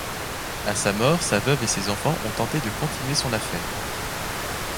À sa mort, sa veuve et ses enfants ont tenté de continuer son affaire.